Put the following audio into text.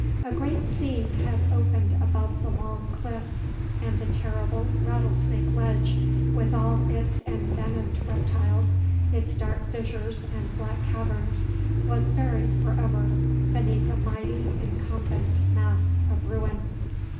A great seam had opened above the long cliff, and the terrible Rattlesnake Ledge, with all its envenomed reptiles, its dark fissures and black caverns, was buried forever beneath a mighty incumbent mass of ruin.